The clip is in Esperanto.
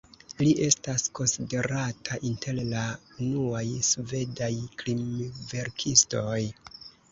Li estas konsiderata inter la unuaj svedaj krimverkistoj.